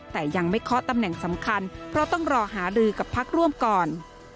แต่ยังไม่เคาะตำแหน่งสำคัญเพราะต้องรอหารือกับพักร่วมก่อน